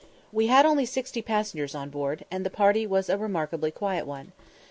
We had only sixty passengers on board, and the party was a remarkably quiet one.